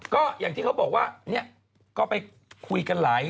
ก็อย่างที่เขาบอกว่า